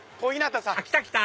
来た来た！